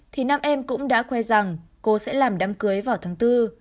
thì năm em cũng đã khoe rằng cô sẽ làm đám cưới vào tháng bốn